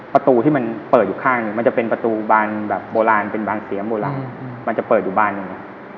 ประตูที่มันเปิดอยู่ข้างหนึ่งมันจะเป็นประตูบานแบบโบราณเป็นบานเซียมโบราณมันจะเปิดอยู่บานหนึ่ง